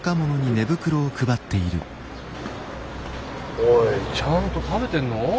おいちゃんと食べてんの？